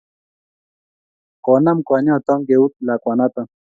Konam kwanyotok keut lakwanatak.